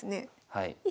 はい。